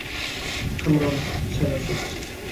คำรณ ชัยสิทธิ์